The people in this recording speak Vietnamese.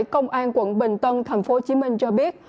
công an quận bình tân thành phố hồ chí minh cho biết